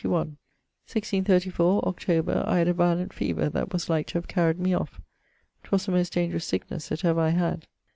1634: October: I had a violent fever that was like to have carried me off. 'Twas the most dangerous sicknesse that ever I had.